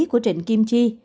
của trịnh kim chi